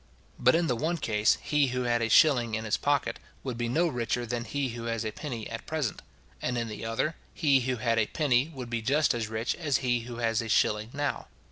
But in the one case, he who had a shilling in his pocket would be no richer than he who has a penny at present; and in the other, he who had a penny would be just as rich as he who has a shilling now.